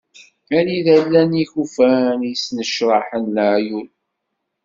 Anida i llan yikufan i yesnecraḥen laɛyud.